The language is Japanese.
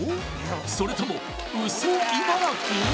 それともウソ茨城？